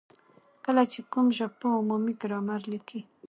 کله چي کوم ژبپوه عمومي ګرامر ليکي،